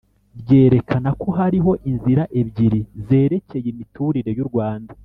ryerekana ko hariho inzira ebyiri zerekeye imiturure y u Rwanda